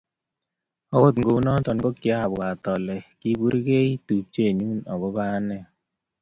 Akut kou notok kikiabwaat ole kiporyegei tupchenyu akobo anee.